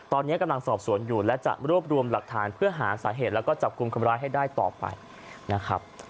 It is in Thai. ตอนนี้กำลังสอบสวนอยู่และจะรวบรวมหลักฐานเพื่อหาสาเหตุแล้วก็จับกลุ่มคนร้ายให้ได้ต่อไปนะครับ